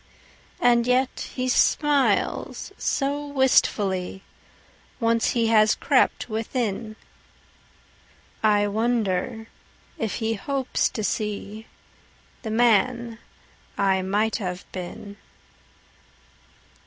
And yet he smiles so wistfullyOnce he has crept within,I wonder if he hopes to seeThe man I might have been.